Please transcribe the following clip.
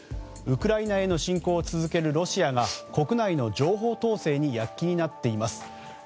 ウクライナへの侵攻を続けるロシアが国内の情報統制に躍起になっています。